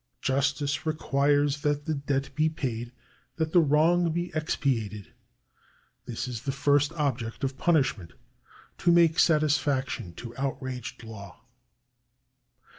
Justice requires that the debt be paid, that the wrong be expiated. .,. This is the first object of punish ment— to make satisfaction to outraged law."